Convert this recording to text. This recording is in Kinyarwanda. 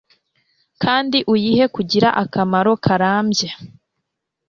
kandi uyihe kugira akamaro karambye